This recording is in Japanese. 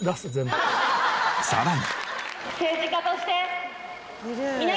さらに。